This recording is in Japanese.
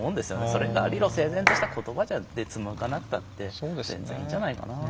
それが理路整然とした言葉でつむがなくたって全然いいんじゃないかな。